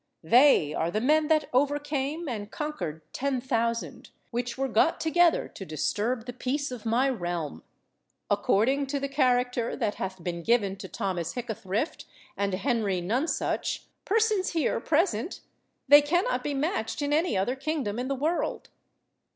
They are the men that overcame and conquered ten thousand, which were got together to disturb the peace of my realm. According to the character that hath been given to Thomas Hickathrift and Henry Nonsuch, persons here present, they cannot be matched in any other kingdom in the world.